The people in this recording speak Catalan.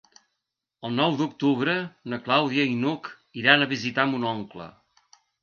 El nou d'octubre na Clàudia i n'Hug iran a visitar mon oncle.